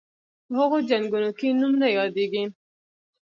په هغو جنګونو کې نوم نه یادیږي.